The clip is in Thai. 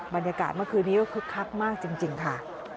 บรรยากาศเมื่อคืนนี้ก็คึกคักมากจริงค่ะ